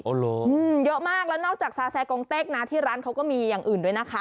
เยอะมากแล้วนอกจากซาแซกงเต็กนะที่ร้านเขาก็มีอย่างอื่นด้วยนะคะ